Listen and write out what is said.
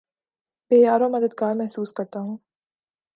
بے یارومددگار محسوس کرتا ہوں